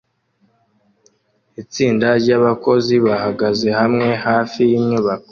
Itsinda ryabakozi bahagaze hamwe hafi yinyubako